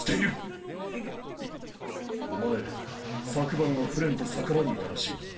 お前昨晩はフレンと酒場にいたらしいな。